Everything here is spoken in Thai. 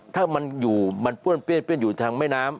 ถ้ามันมั่นป้วนเปลี่ยนมันพังอยู่ทางไหม้น้ำ